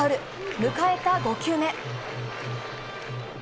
迎えた５球目。